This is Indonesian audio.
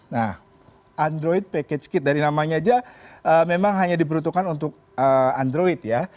nah android package kit dari namanya aja memang hanya diperuntukkan untuk android ya